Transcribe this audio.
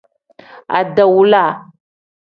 Adawula.